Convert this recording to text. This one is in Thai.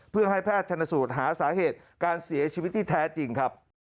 เพื่อให้แพทย์ชนสูตรหาสาเหตุการเสียชีวิตที่แท้จริงครับ